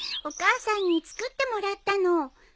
お母さんに作ってもらったの。